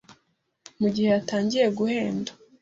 mu gihe yatangiye guhenda